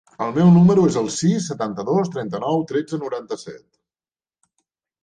El meu número es el sis, setanta-dos, trenta-nou, tretze, noranta-set.